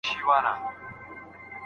لارښود د شاګرد مقاله پخپله نه لیکي.